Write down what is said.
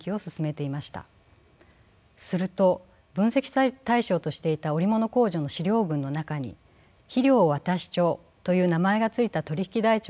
すると分析対象としていた織物工場の史料群の中に肥料渡帳という名前が付いた取引台帳が含まれていたのです。